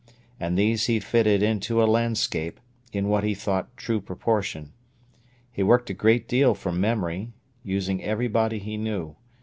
And these he fitted into a landscape, in what he thought true proportion. He worked a great deal from memory, using everybody he knew.